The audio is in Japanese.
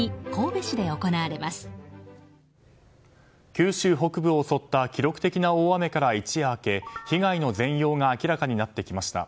九州北部を襲った記録的な大雨から一夜明け被害の全容が明らかになってきました。